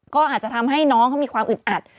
ก็อาจจะทำให้น้องเขามีความอึดอัด